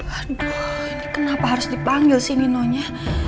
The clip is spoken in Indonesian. aduh ini kenapa harus dipanggil si ninonya